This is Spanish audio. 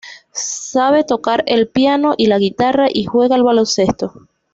Sabe tocar el piano y la guitarra y Juega al baloncesto.